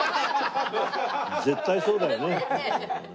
絶対そうだよね。